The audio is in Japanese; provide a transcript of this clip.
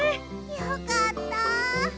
よかった。